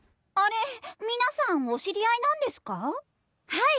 はい！